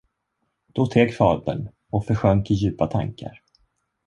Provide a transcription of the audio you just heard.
Då teg fadern och försjönk i djupa tankar.